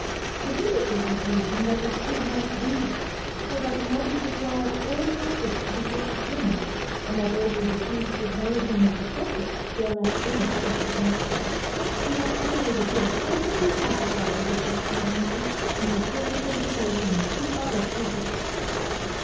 The villagers had told him that this could not be, for that the Mahdi required all captives to be sent to him, and that all who refused to acknowledge him as the Prophet were at once put to death. He had always appeared perfectly satisfied with this explanation, and had turned the conversation to other topics.